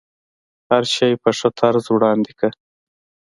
هر شی په ښه طرز وړاندې کړه.